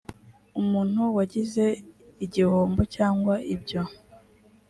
umuntu wagize igihombo cyangwa ibyo